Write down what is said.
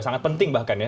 sangat penting bahkan ya